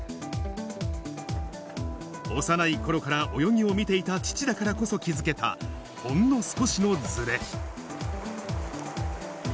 幼いころから泳ぎを見ていた父だからこそ気付けたほんの少しのずれ。